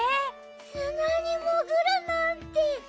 すなにもぐるなんて。